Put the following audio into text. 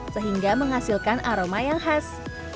sehingga menghasilkan aroma yang khas